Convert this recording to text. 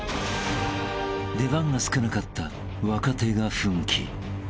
［出番が少なかった若手が奮起］